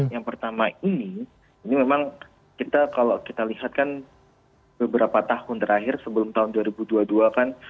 yang pertama ini ini memang kita kalau kita lihat kan beberapa tahun terakhir sebelum tahun dua ribu dua puluh dua kan